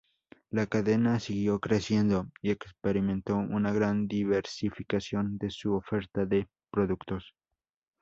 La cadena siguió creciendo y experimentó una gran diversificación en su oferta de productos.